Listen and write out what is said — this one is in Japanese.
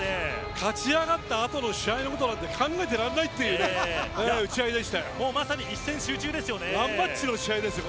勝ち上がったあとの試合のことなんて考えてらんないっていう打ち合いでしたよ。